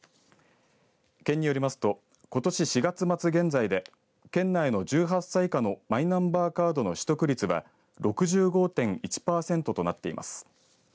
県によりますとことし４月末現在で県内の１８歳以下のマイナンバーカードの取得率は６５．１パーセントとなっています。